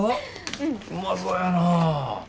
うまそやな。